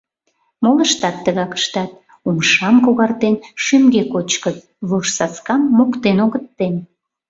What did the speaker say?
Молыштат тыгак ыштат: умшам когартен, шӱмге кочкыт, вожсаскам моктен огыт тем.